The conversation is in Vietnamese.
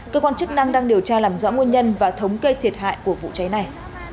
cơ quan chức năng đang điều tra làm rõ nguồn nhân và thống kê thiệt hại của vụ cháy này